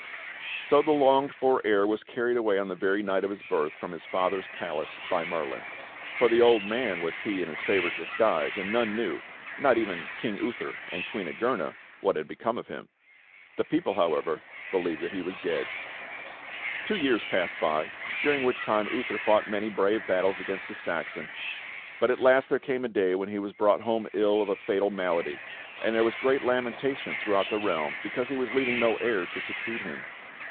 So the longed for heir was carried away on the very night of his birth from his father's palace by Merlin — for the old man was he in his favorite disguise, and none knew, not even King Uther and Queen "SO THE LAND BECAME DESOLATE" Igerna, what had become of him. The people, however, believed that he was dead. Two years passed by during which time Uther fought many brave battles against the Saxons, but at last there came a day when he was brought home ill of a fatal malady, and there was great lamentation throughout the realm because he was leaving no heir to succeed him.